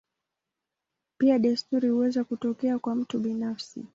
Pia desturi huweza kutokea kwa mtu binafsi.